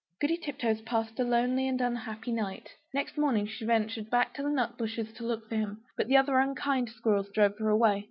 Goody Tiptoes passed a lonely and unhappy night. Next morning she ventured back to the nut bushes to look for him; but the other unkind squirrels drove her away.